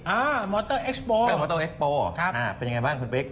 อ่ามอเตอร์เอ็กโปร์ครับเป็นอย่างไรบ้างคุณปิ๊ก